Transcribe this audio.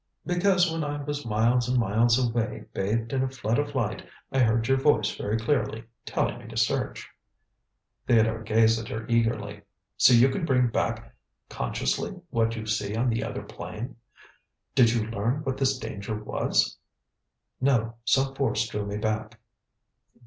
"Because when I was miles and miles away, bathed in a flood of light, I heard your voice very clearly, telling me to search." Theodore gazed at her eagerly. "So you can bring back consciously what you see on the other plane. Did you learn what this danger was?" "No. Some force drew me back."